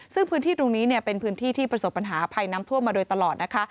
ซึ่งพื้นที่ตรงนี้เป็นพื้นที่ที่ประสบปัญหาภัยน้ำท่วมมาโดยตลอดนะคะ